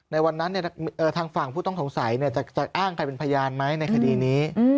ในวันนั้นทางฝั่งผู้ต้องสงสัยจะอ้างใครเป็นพยานไหมในคดีนี้